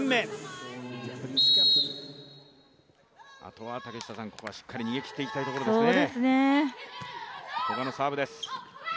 あとはここはしっかり逃げ切っていきたいところですね。